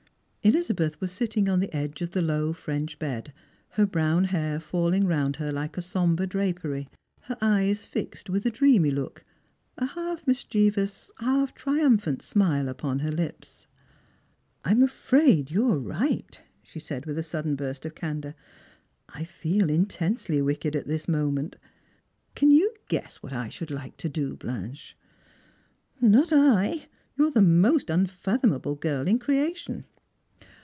Elizabeth was sitting on the edge of the low French bed, her brown hair falling round her like a sombre drapery, her eyea fixed with a dreamy look, a half mischievous, half triumphant emile upon hfv lips. " I'm afraid you're right," she said with a sudden burst of candour. " I feel intensely wicked at this moment. Can you guess what I should like to do, Blanche ?"" Not I. You are the most uni'athomable girl in creation."